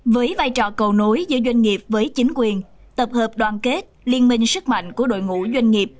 với vai trò cầu nối giữa doanh nghiệp với chính quyền tập hợp đoàn kết liên minh sức mạnh của đội ngũ doanh nghiệp